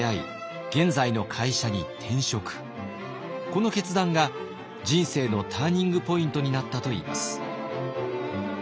この決断が人生のターニングポイントになったといいます。